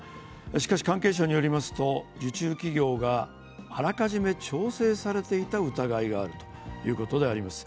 しかし、関係者によりますと受注企業があらかじめ調整されていた疑いがあるということです。